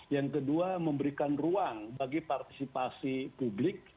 yang kedua memberikan ruang bagi partisipasi publik